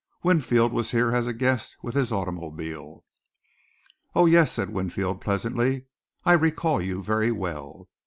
Winfield was here as a guest with his automobile. "Oh, yes," said Winfield pleasantly. "I recall you very well.